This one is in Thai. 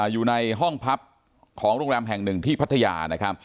อยู่ในห้องพัพของโรงแรมแห่งหนึ่งต้นที่พัทยา